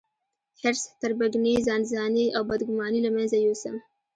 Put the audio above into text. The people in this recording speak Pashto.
حرص، تربګني، ځانځاني او بدګوماني له منځه يوسم.